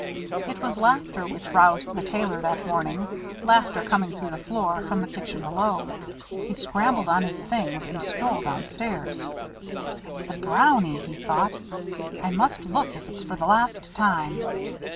It was laughter which roused the Tailor that morning, laughter coming through the floor from the kitchen below. He scrambled on his things and stole down stairs. "It's the Brownie," he thought; "I must look, if it's for the last time."